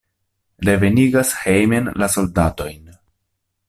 Revenigas hejmen la soldatojn!